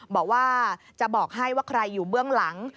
บอกว่าจะบอกให้ว่าใครอยู่เบื้องหลัง